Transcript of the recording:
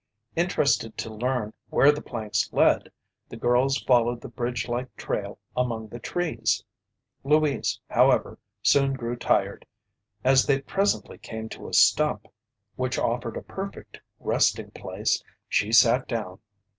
Interested to learn where the planks led, the girls followed the bridge like trail among the trees. Louise, however, soon grew tired. As they presently came to a stump which offered a perfect resting place, she sat down.